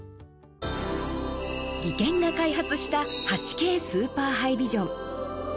技研が開発した８Ｋスーパーハイビジョン。